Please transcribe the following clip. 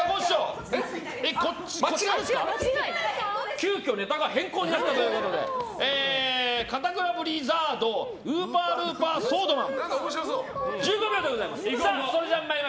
急きょ、ネタが変更になったということで片倉ブリザードウーパールーパーソードマン。